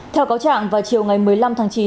theo cáo trạng vào chiều ngày một mươi năm tháng chín